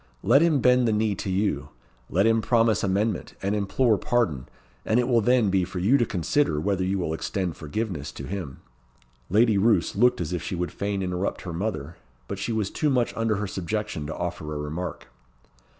Let him bend the knee to you. Let him promise amendment, and implore pardon, and it will then be for you to consider whether you will extend forgiveness to him." Lady Roos looked as if she would fain interrupt her mother, but she was too much under her subjection to offer a remark.